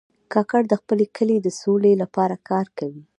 کاکړ د خپل کلي د سولې لپاره کار کوي.